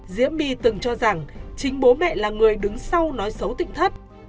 diễn my từng cho rằng chính bố mẹ là người đứng sau nói xấu tịnh thất